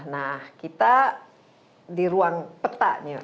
nah kita di ruang petanya